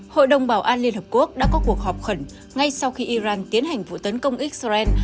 hội đồng bảo an liên hợp quốc đã có cuộc họp khẩn ngay sau khi iran tiến hành vụ tấn công israel